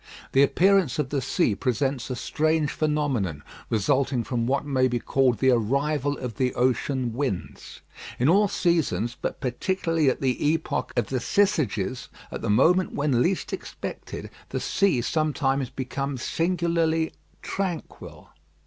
The appearance of the sea presents a strange phenomenon, resulting from what may be called the arrival of the ocean winds. In all seasons, but particularly at the epoch of the Syzygies, at the moment when least expected, the sea sometimes becomes singularly tranquil.